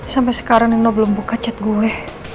sampai sekarang nino belum buka chat gue